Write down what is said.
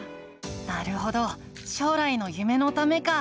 なるほど将来の夢のためか。